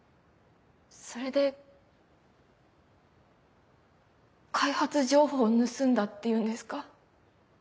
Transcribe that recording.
それで開発情報を盗んだっていうんですか？